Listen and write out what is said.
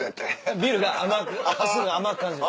ビールが甘く甘く感じる。